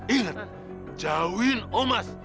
ingat jauhin omas